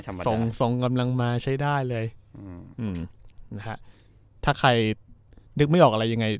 ส่งส่งกำลังมาใช้ได้เลยอืมอืมนะฮะถ้าใครนึกไม่ออกอะไรยังไง